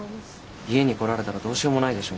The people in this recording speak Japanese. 家に来られたらどうしようもないでしょ。